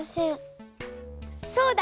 そうだ。